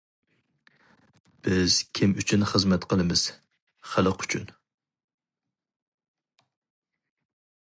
بىز كىم ئۈچۈن خىزمەت قىلىمىز؟ خەلق ئۈچۈن.